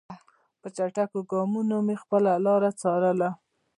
په چټکو ګامونو مې خپله لاره څارله.